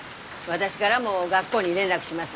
私がらも学校に連絡します。